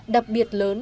đặc biệt lớn